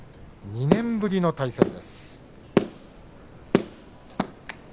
２年ぶりの対戦です。